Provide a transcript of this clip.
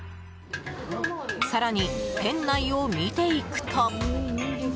更に店内を見ていくと。